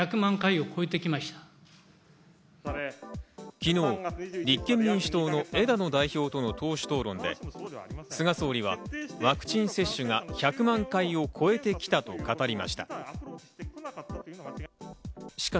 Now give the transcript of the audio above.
昨日、立憲民主党の枝野代表との党首討論で、菅総理はワクチン接種が１００万回を超えてきたと語りました。